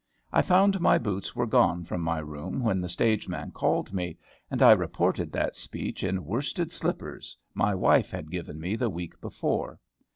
I found my boots were gone from my room when the stage man called me, and I reported that speech in worsted slippers my wife had given me the week before.